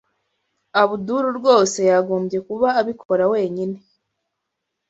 Abdul rwose yagombye kuba abikora wenyine.